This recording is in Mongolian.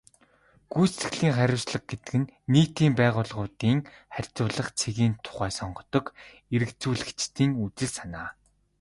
Гүйцэтгэлийн хариуцлага гэдэг нь нийтийн байгууллагуудын харьцуулах цэгийн тухай сонгодог эргэцүүлэгчдийн үзэл санаа.